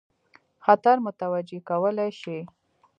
خطر متوجه کولای شي.